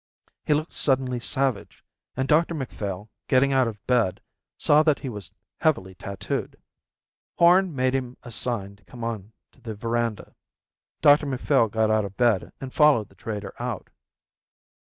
He looked suddenly savage, and Dr Macphail, getting out of bed, saw that he was heavily tattooed. Horn made him a sign to come on to the verandah. Dr Macphail got out of bed and followed the trader out.